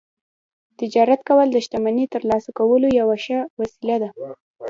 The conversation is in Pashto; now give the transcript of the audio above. تجارت کول د شتمنۍ ترلاسه کولو یوه ښه وسیله وه